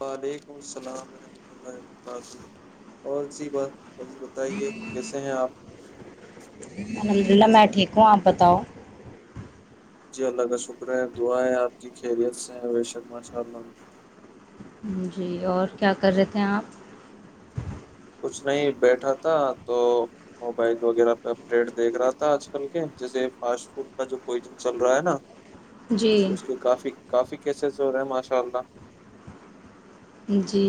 وعلیکم السلام ورحمۃ اللہ وبرکاتہ اور سی بات بھجی بتائیے کیسے ہیں آپ؟ الحمد للہ میں ٹھیک ہوں آپ بتاؤ جی اللہ کا شکر ہے دعا ہے آپ کی خیریت سے بے شک ماشاء اللہ جی اور کیا کر رہے تھ ہیں آپ کچھ نہیں بیٹھا تھا تو موبائل وغیرہ پہ اپڈیٹ دیکھ رہا تھا آج کل کے جیسے فاسٹ فوڈ کا جو پوائزن چل رہا ہے نا جی تو اس کے کافی کافی کیسے زور ہے ماشاء اللہ جی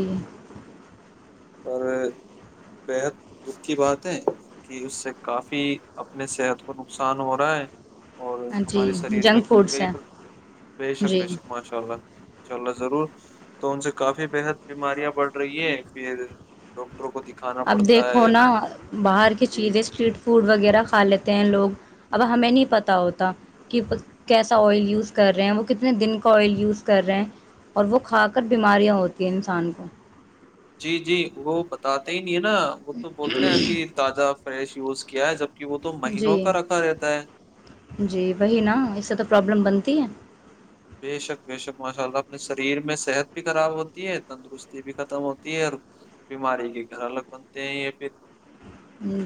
اور بےحد دکھ کی بات ہے کہ اس سے کافی اپنے صحت کو نقصان ہو رہا ہے اور جی ہمارے شریر میں جنک فوڈس کئی ہیں پر بے شک جی بے شک ماشاء اللہ چء اللہ ضرور تو ان سے کافی بےحد بیماریاں بڑ رہی ہیں ڈاکٹروں کو دکھانا اب پڑتا دیکھو ہے نا باہر کی جی چیزیں اسٹریٹ فوڈ وغیرہ کھا لیتے ہیں لوگ اب ہمیں نہیں پتا ہوتا کہ کیسا آئل یوز کر رہے ہیں وہ کتنے دن کا آئل یوز کر رہے ہیں اور وہ کھا کر بیماریاں ہوتی ہیں انسان کو جی جی وہ بتاتے ہیں نہیں ہے نا وہ تو بولتے ہیں ابھی تازہ فریش یز کیا ہے جب جی جی وہی نا اس سے تو پرابلم بند تی ہیں بے شک بے شک ماشاء اللہ اپنے شریر میں صحت بھی خراب ہوتی ہے تندرستی بھی ختم ہوتی ہے اور بیماری کے گھر الگ بنتے ہیں یہ پھر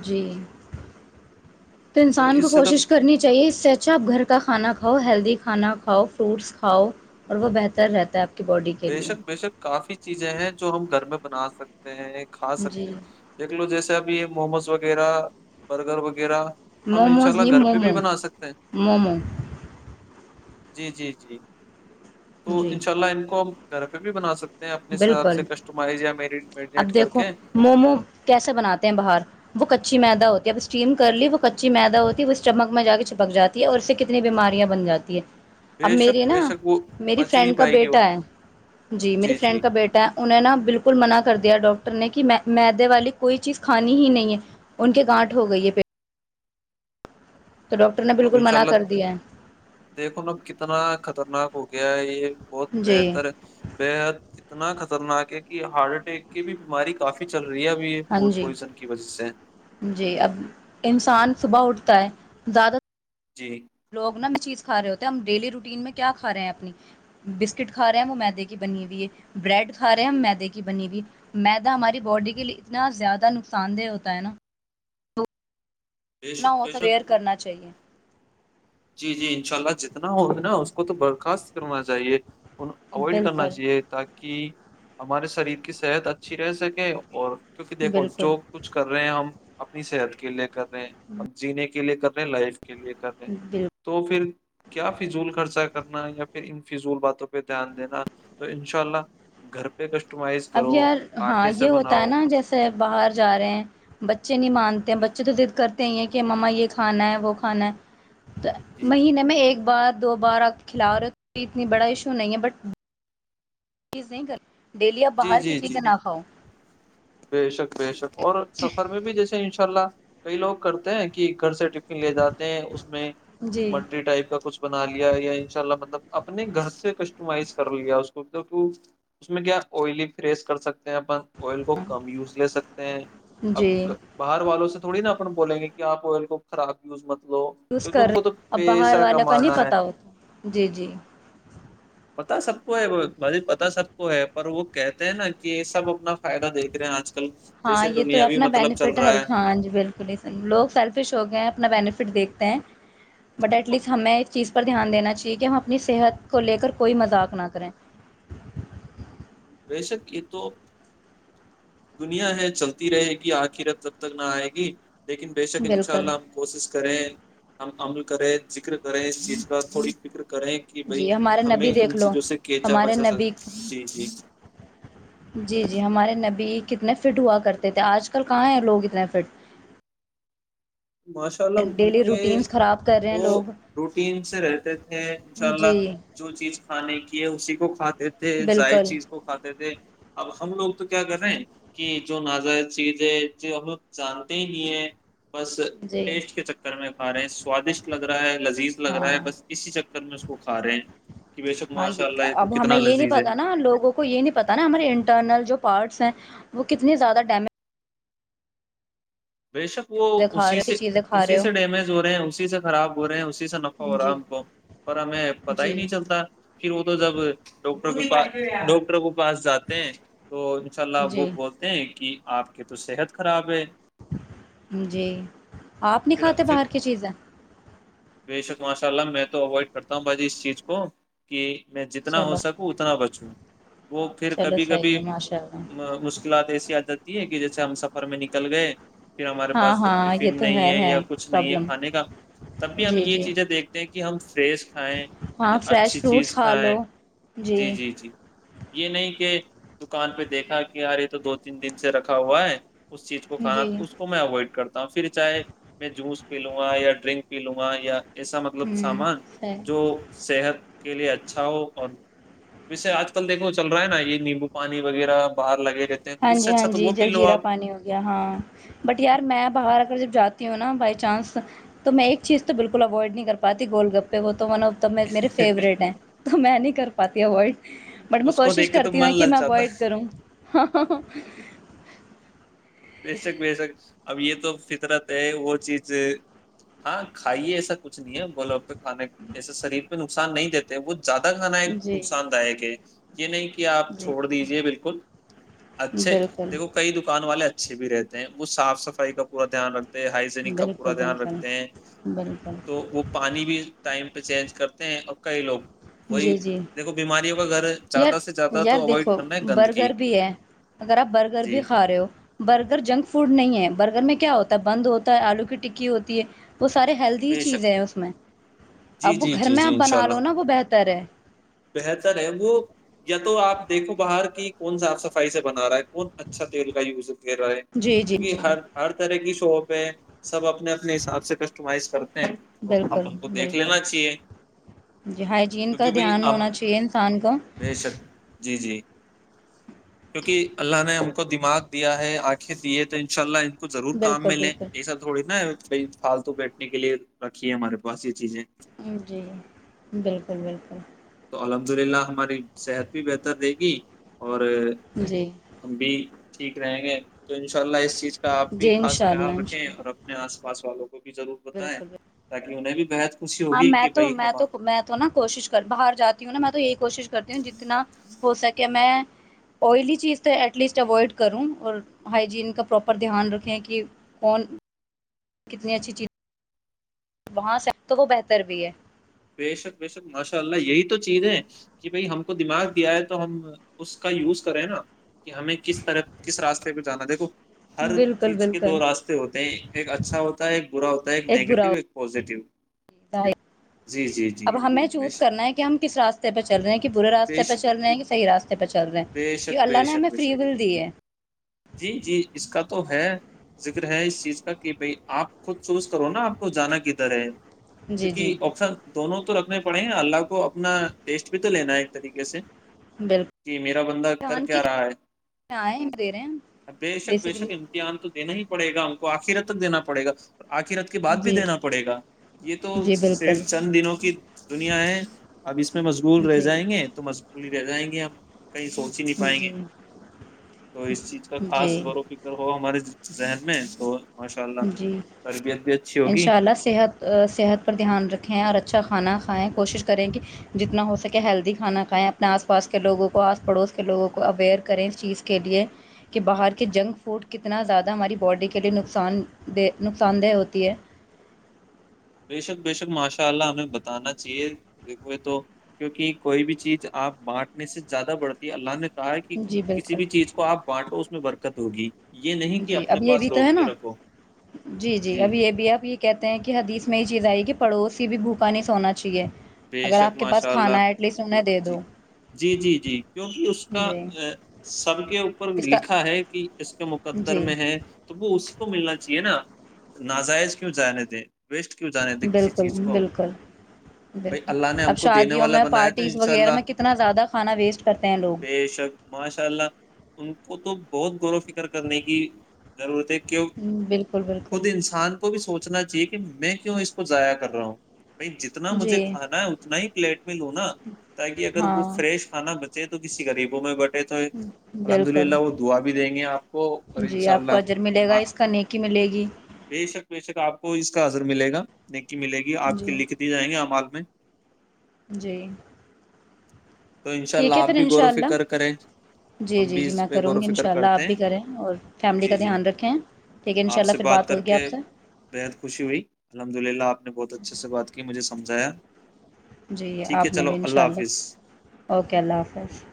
جی تو انسان اس سے تو کوشش کرنی چاہیے اس سے اچھا آپ گھر کا کھانا ک کھاؤ ہیلدی کھانا کھاؤ فروٹس کھاؤ اور وہ بہتر رہتا ہے کی باڈی کے بے لیے شک بےشک کافی چیزیں ہیں جو ہم گھر میں بنا سکتے ہیں کھا سکتے جی ہیں دیکھ لو جیسے بھی موموز وغیرہ برگر وغیر وغیرہ ہم انشاء موموز اللہ نہیں گھر پہ بھی مومو بنا سکتے ہیں مومو جی جی جی تو جی ان شاء اللہ ان کو گھر پہ بھی بنا سکتے ہیں اپنے حساب بالکل سے کسٹمائز یا میری اب میڈینیٹ کر دیکھو کے مومو کیسے بناتے ہیں باہر وہ کچی مید ہوتی ہے اب اسٹیم کر لی وہ کچی میدا ہوتی ہے وہ اسٹمک میں جا کے چھپک جاتی ہے اور اس سے کتنی بیماریاں بن جاتی ہے اب بے شک میری نا بے شک وہ میری پچ ہی نہیں فرینڈ کا پائے گی وہ بیٹا ہے جی میری فرینڈ کا بیٹا ہے انہیں نا بالکل منع کر د دیا ڈاکٹر نے کہ میدے والی کوئی چیز کھانی ہی نہیں ہے ان کے گانٹ ہو گئی ہے پٹ تو اب بالکل ان شاء منع اللہ کر دیا دیکھو نا کتنا خطرناک ہو گیا یہ بہت ہے جی بہتر ہے بےحد اتنا خطر خطرنا کہ ہارٹ اٹیک کی بھی بیماری کافی چل رہ ہاں جی جی اب انسان صبح اٹھ زیادہ تر جی لوگ نا چیز کھا رہے ہوتے ہیں ہم ڈیلی روٹین میں کیا کھا رہے ہیں اپنی بسکٹ کھا رہے ہیں وہ میدے کی بنی ہوئی ہے بریڈ کھا رہے ہیں ہم میدے کی بنی ہوئی میدہ ہماری باڈی کے لیے اتنا زیادہ نقصان دہ ہوتا ہے نا بے کرنا شک بے ہوتا شک ویئر کرنا چاہیے جی جی انشاء اللہ جتنا ہو نا اس کو تو برخاست کرنا چاہیے ان اوائڈ کرنا بالکل چاہیے تاکہ ہمارے شریر کی صحت اچھی رہ سکے اور کیونکہ دیکھو بالکل جو کچھ کر رہے ہیں ہم اپنی صحت کے لیے کر رہے ہیں اب جینے کے لیے کر رہے ہیں لائف کے لیے کر رہے بالکل تو پھر کیا فضول کا خرچا کرنا یا پھر ان فضول باتوں پہ دھیان دینا تو ان شاء اللہ گھر پہ کش اب یار ہاں یہ ہوتا ہے نا جیسے باہر جا رہے ہیں بچے نہیں مانتے جی بچے تو ضد کرتے ہیں کہ ما یہ کھانا ہے وہ کھانا ہے تو جی مہینے میں ایک بار دو بار آ کے کھلا رہے ہو اتنی بڑا ایشو نہیں ہے بٹ تیز نہیں گھر ڈیلی اپ جی باہر جی جی کسییزیں نہ کھاؤ بے شک بے شک اور سفر میں بھی جیسے انشاء اللہ کئی لوگ کرتے ہیں کہ گھر سے ٹفن لے جاتے ہیں اس میں جی مری ٹائپ کا کچھ بنا لیا یا ان شاء اللہ مطلب اپنے گھر سے کسٹمائز کر لیا اس کو اس میں کیا آئلی فریس کر سکتے ہیں اپن کم یوز لے سکتے ہیں اب جی باہر والوں سے تھوی نا اپ بولیں گے کہپ آئل کو خراب یوز مت لو یوز کیونکہ کر ان کو رہے تو اب باہر پیسہ والا کا نہیں کمانا ہے پت ہوتا جی جی پتا سب کو ہے بھ پتا سب کو ہے پر وہ کہتے ہیں نا کہ سب اپنا فائدہ دے آج [unintelligible] ہاں جیسے یہ تو دنیا بھی اپنا مطلب چل بینیفٹ ہے رہا ہر خاں جی بالکل ہی س لوگ سیلفش ہو گئے اپنا بینیفٹ دیکھتے ہیں بٹ ایٹ لیسٹ ہمیں چیز پر دھیان دینا چاہیے کہ ہم اپنی صحت کو لے کر کوئی مذاق نہ کریں ویسک یہ تو دنیا ہے چلتی رہے گی آخرت جب تک نہ آئے گی لیکن بے شک ان شاء بالکل اللہ ہم کوشش کریں ہم عمل کریں ذکر کریں اس چیز کا تھوڑی فکر کریں کہ بھائی جی ہمارے نبی ہمیں دیکھ ان لو چیزوں سے کیچا ہمارے بچا سک نبی جی جی جی جی ہمارے نبی کتنے فٹ ہوا کرتے تھے آج کل کہاں ہیں لوگ اتنے فٹ ماشاء اللہ ان ڈیلی کے روٹینس خراب کر رہے ہیں وہ لوگ روٹین سے رہتے تھے انشاء اللہ جی جو چیز کھانے کی ہے اسی کو کھاتے تھے ائد بالکل چیز کو کھاتے تھے اب ہم لوگ تو کیا کر رہے ہیں کہ جو نزائ چیزیں جو ہم لوگ جانتے ہی نہیں ہیں بس جی ٹیسٹ کے چکر میں آ رہے ہیں سوادشٹ لگ رہا ہے لذیذ لگ رہا ہاں ہے بس اسی چکر میں اس کو کھا رہے ہیں کہ بے شک ہاں ماشاء اللہ یہ تو اب ہمیں کتنا یہ نہیں لذیذ ہے پتا نا لوگوں کو یہ نہیں پتا نا ہمارے انٹرنل جو پارٹس ہیں وہ کتنی زیادہ ڈیمیج بےشک وہ چیزیں کھا اسی رہے ہو کی سے چیزیں کھا اسی رہے ہو سے ڈیمیج ہو رہے ہیں اسی سے خراب ہو رہے ہیں اسی سے نفع ہو رہا جی ہے ہم کو پر ہمیں پتا ہی جی نہیں چلتا پھر وہ تو جب پا ڈاکٹر پاس جاتے ہیں تو ان شاء اللہ وہ جی بولتے ہیں کہ آپ کی تو صحت خراب ہے جی آپ نہیں پھر کھاتے پھر باہر کی چیزیں بے شک ماشاء اللہ میں تو اوائڈ کرتا ہوں بھجی اس چیز کو کہ میں جتنا ہو چلو سکوں اتنا بچوں وہ پھر چلو کبھی صحیح کبھی ہے ماشاء اللہ مشکلات ایسی عادت ہے کہ جیسے ہم سفر میں نکل گئے پھر ہمارے ہاں پاس ہاں یہ ٹفن تو نہیں ہے یا کچھ نہیں ہے پرابلم کھانے کا تب بھی ہم جی یہ جی چیزیں دیکھتے ہیں کہ کہ ہم فریس کھائیں ہاں یا اچھی فریش فروٹس چیز کھا کھائیں لو جی جی جی یہ نہیں کہ دکان پہ دیکھا کہ یارے تو دو تین دن سے رکھا ہوا ہے اس چیز کو کھانا جی اس کو میں اوائڈ کرتاوں پھر چاہے میں جوس پی لوں گا یا ڈرنک پی لوں گا یا ایسا مطلب ہوں سامان صحیح جو صحت کے لیے اچھا ہو اور ویسے آج کل دیکھو چل رہا ہے نا یہ نیمبو پانی وغیرہ باہر لگے رہتے ہیں تو ہاں اس سے جی ہاں اچھا تو جی وہ پی لو جلجیرا آپ پانی ہو گیا ہاں بٹیہار میں باہر کر جب جاتی ہوں نا بائی چانس تو میں ایک چیز تو بالکل اوائڈ نہیں کر پاتی گول گپے ہو تو ون آف د میرے فیورٹ ہیں تو میں نہیں کر پاتی اوائڈ بٹ میں اس کو کوشش دیکھ کے تو کرتی من ہوں کہ میں للچاتا ہے اوائڈ کروں [inaudible] بے شک بے شک اب یہ تو فطرت ہے وہ چیز ہاں کھائیے ایسا کچھ نہیں ہے بولو اب تو کھانے ایسے شریر پہ نقصان نہیں دیتے وہ زیادہ کھانا ایک جی نقصان دائک ہے یہ نہیں کہ آپ جی چھوڑ دیجیے بالکل اچھے بالکل دیکھو کئی دکان والے اچھے اچھے بھی رہتے ہیں وہ صف صفائی کا پورا دھیان رکھتے ہائجینک کا بالکل پورا دھیان بالکل رکھتے ہیں بالکل تو وہ پانی بھی ٹائم پہ چینج کرتے ہیں اور کئی لوگ وہی جی جی دیکھو بیماریوں کا گھر ہے، یار زیادہ سے زیادہ یار تو اوائڈ دیکھو کرنا ہے گندگی برگر بھی ہے اگر آپ برگر جی بھی کھا رہے ہو برگر جنک فوڈ نہیں ہے برگر میں کیا ہوتا ہے بند ہوتا ہے آلو کی ٹکی ہوتی ہے وہ سارے ہیلدی بے شک چیزیں ہیں اس میں جی اب وہ جی گھر جی میں آپ جی انشاء بنا اللہ لو نا وہ بہتر ہے بہتر ہے وہ تو آپ دیکھو باہر کی کون صاف سفائی سے بنا رہا ہے کون اچھا تیل کا یوز رہے جی جی کیونکہ جی ہر ہر طرح کی پہ سب اپ نے اپنے حساب سے کسٹمائز کرتے ہیں وہ بالکل کو دیکھ بالکل لینا چاہیے جی ہائیجین کا کیونکہ بھائی دھیان آپ ہونا چاہیے انسان کو بے شک جی جی کیونکہ اللہ نے ہم کو دماغ دیا ہے آنکھیں دیے تو ان شاء اللہ کو ضرور کام بالکل میں لیں یہ بالکل سب تھوڑی نا بائی پالتو بیٹھنے کے لیے رکھی ہے ہمارے پاس چیزیں جی بالکل بالکل تو الحمد للہ ہماری صحت بھی بہتر رہے گی اور جی ہم بھی ٹھیک رہیں گے تو انشاء اللہ اس چیز کا آپ بھی جی ان خاص شاء اللہ خیال ان شاء رکھیں اللہ اور اپنے آس بسوو کو بھی ضرور بالکل بتائیں بالکل تاکہ انہیں بھی بےحد خوشی ہاں ہوگی میں کہ تو بھائی میں ہمارے تو میں تو نا کوشش کر باہر جاتے وں میں تو یہی کوش کرتی ہوں جتنا ہو سکے میں آئلی چیز تو ایٹ لیسٹ اوائڈ کروں اور ہائجین کا پراپر دھیان رکھیں کہ کون کتنی اچھی چیزیں وہاں ست وہ بہتر بھی ہے بےشک بےشک ماشاء اللہ یہی تو چیز ہے کہ بھائی ہم کو دماغ دیا ہے تو ہم اس کا یوز کریں نا کہ ہمیں کس طرح کس راستے پہ جانا دیکھو ہر بالکل چیز کے بالکل دو راستے ہوتے ہیں ایک اچھا ہوتا ہے ایک برا ہوتا ہے ایک نیگیٹو ایک پازیٹیو ائے جی جی جی اب ہمیں بے چوز شک کرنا ہے کہ ہم کس راستے پہ چل رہے ہیں کہ برے بے راستے پہ شک چل رہے ہیں کہ صحیح راستے پہ چل رہے بے ہیں کی شک اللہ بے نے شک ہمیں بے فری شک ول دی ہے جی جی اس کا تو ہے ذکر ہے اس چیز کا کہ بھائی آپ خود چوز کرو نا آپ کو جانا کدھر ہے جی جی کیونکہ آپشن دونوں تو رکھ پڑے نا اللہ کو اپنا ٹیسٹ بھی تو لینا ایک طریقے سے بالکل کہ میرا بندہ کر دھیان کی کیا رہا ہے آئے دے رہے ہیں بے شک بیسیکلی بےشک امتحان تو دینا ہی پڑےا ہم کو آخر تک دینا پڑےا آخر رت کے بعد بھی جی دینا پڑے گا یہ تو جی بالکل صرف چند دنوں کی دنیا ہے اب اس میں مشغول رہ جی جائیں گے تو مشغول کر جائیں گے ہم کہیں سوچ ہی نہیں پائیں جی گے تو اس چیز کا خاص جی غور و فکر ہو ہمارے حن میں تو ماشاء اللہ جی تربیت بھی اچھی ہوگی انشاء اللہ صحت صحت پر دھیان رکھیں اور اچھا اچھا کھانا کھائیں کوشش کریں کہ جتنا ہو سکے ہیلدی کھانا کھائیں اپنے آس پاس کے لوگوں کو آس پڑوس کے لوگوں کو اویئر کریں اس چیز کے لیے کہ باہر کے جنک فوڈ کتنا زیادہ ہماری باڈی کے لیے نقصان دہ نقصان دہ ہوتی ہے بےشک بےشک ماشاء اللہ ہمیں بتانا چاہیے دیکھوئے تو کیونکہ کوئی بھی چیز آپ بانٹنے سے زیادہ بڑھتی ہے اللہ نے ہے کہ جی کسی بالکل بھی چیز کو آپ بانٹو اس میں برکت ہوگی یہ نہیں کہ جی اپنے اب یہ پاس بھی تو ہے روک کے نا رکھو جی جی اب یہ بھی آپ یہ کہتے ہیں کہ حدیث میں اس میں یہ چیز آئی کہ پڑوسی بھی بھوکا نہیں سونا چاہیے بے اگر شک آپ کے پاس ماشاء اللہ کھانا ہے ایٹ لیسٹ انہیں دے جی دو جی جی جی کیوں اس کا جی سب کے اوپر اس کا لکھا ہے کہ اس کے مقدر جی میں ہے تو وہ اس کی کو ملنا چاہیے نا ناجائز کیوں جانے دیں ویسٹ کیوں جانے دے کسی بالکل چیز کو بالکل بھائی بالکل اللہ نے ہم اب کو دینے شادیوں والا میں بنایا تو پارٹیز انشاء وغیرہ اللہ میں کتنا زیادہ کھانا ویسٹ کرتے ہیں لوگ بے شک ماشاء اللہ ان کو تو بہت گرت فکر کرنے کی ضرورت ہے کہ بالکل بالکل خود انسان کو بھی سوچ سچنا چاہیے کہ میں کیوں اس کو ضائع کر رہا ہوں بائی جتنا مجھے جی ہ نہیں ہوت نہیں پلیٹ میں لو نا تاکہ اگر وہ ہاں فریش کھانا بچ ہے تو کسی غریبوں میں بٹ تو الحمد بالکل للہ وہ دعا بھی دیں گے آپ کو اور جی انشاء آپ کو اللہ اجر ملے گا اس کا نیکی ملے گی بے شک بے شک آپ کو اس کا اثر ملے گا ملے گی آپ کے جی لکھ دی جیں گے ہم آپ کے میں جی تو ان شاء ٹھیک ہے اللہ آپ پھر بھی ان غور شاء و اللہ فکر کریں جی ہم جی بھی جی میں اس پہ غور کروں و گی ان فکر شاء اللہ آپ کرتے بھی ہیں کریں اور فیملی کا جی جی دھیان رکھیں ٹھیک ہے ان شاء آپ اللہ سے پھر بات کر ہوگی کے آپ سے بےحد خوشی ہوئی الحمد للہ آپ نے بہت اچھے سے بات کی مجھے سمجھایا جی ٹھیک ہے آپ نے چلو بھی ان اللہ شاء حافظ اللہ اوکے اللہ حافظ